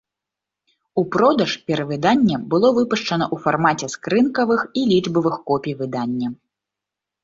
У продаж перавыданне было выпушчана ў фармаце скрынкавых і лічбавых копій выдання.